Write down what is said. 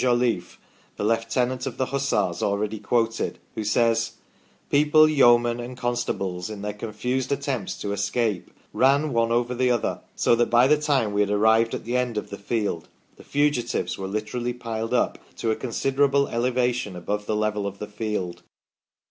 Jolliffe, the Lieutenant of the Hussars already quoted, who says :" People, yeomen, and constables, in their confused attempts to escape, ran one over the other, so that by the time we had arrived at the end of the field, the fugitives were literally piled up to a considerable elevation above the level of the field